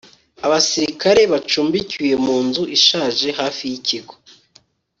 abasirikare bacumbikiwe mu nzu ishaje hafi yikigo